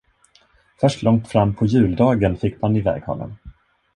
Först långt frampå juldagen fick man i väg honom.